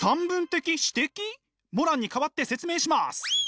モランに代わって説明します。